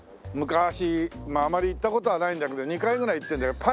昔まああまり行った事はないんだけど２回ぐらい行ってんだよ。